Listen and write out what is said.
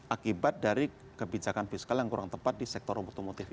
akibat dari kebijakan fiskal yang kurang tepat di sektor otomotif ini